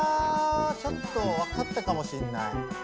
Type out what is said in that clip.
ちょっとわかったかもしんない。